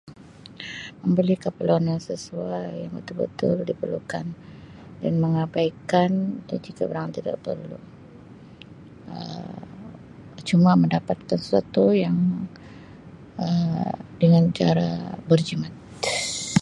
Membeli keperluan yang sesuai yang betul-betul diperlukan dan mengabaikan [unintelligible] tidak perlu Um cuma mendapatkan sesuatu yang Um dengan cara berjimat.